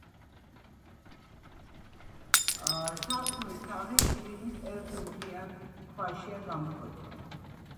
სარკმლის თაღი შირიმის ერთ მთლიან ქვაშია გამოკვეთილი.